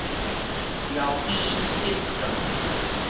枵飢失頓